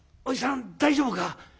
「おじさん大丈夫か？